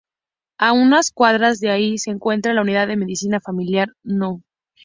A unas cuadras de ahí se encuentra la Unidad Medicina Familiar No.